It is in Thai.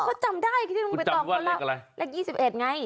ก็จำได้คิดว่าคุณไปตอบคนละ๒๑ไง